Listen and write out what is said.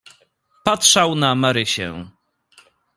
"Patrzał na Marysię."